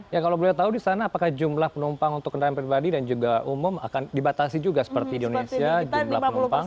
ya kalau boleh tahu di sana apakah jumlah penumpang untuk kendaraan pribadi dan juga umum akan dibatasi juga seperti di indonesia jumlah penumpang